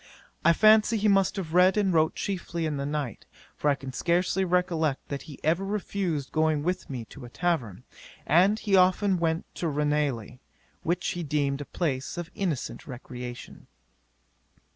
I fancy he must have read and wrote chiefly in the night, for I can scarcely recollect that he ever refused going with me to a tavern, and he often went to Ranelagh, which he deemed a place of innocent recreation.